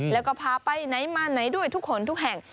แล้วก็พาไปไหนมาไหนด้วยทุกคนทุกแห่ง